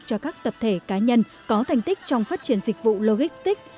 cho các tập thể cá nhân có thành tích trong phát triển dịch vụ logistics